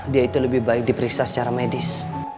dia itu lebih baik diperiksa secara medis